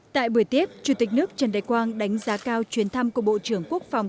tại buổi tiếp chủ tịch nước trần đại quang đánh giá cao chuyến thăm của bộ trưởng quốc phòng